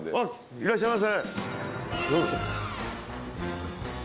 いらっしゃいませ。